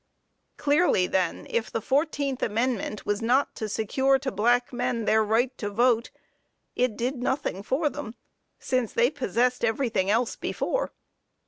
Clearly, then, if the fourteenth amendment was not to secure to black men their right to vote, it did nothing for them, since they possessed everything else before.